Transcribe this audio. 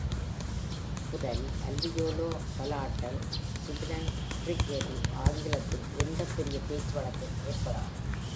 குரல் அல்வியோலோ-பலாட்டல் சிபிலண்ட் ஃப்ரிகேடிவ் ஆங்கிலத்தின் எந்த பெரிய பேச்சுவழக்கிலும் ஏற்படாது.